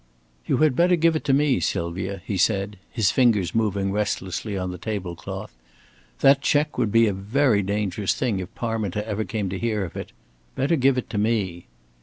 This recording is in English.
"You had better give it to me, Sylvia," he said, his fingers moving restlessly on the table cloth. "That check would be a very dangerous thing if Parminter ever came to hear of it. Better give it to me."